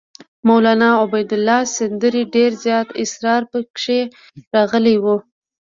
د مولنا عبیدالله سندي ډېر زیات اسرار پکې راغلي وو.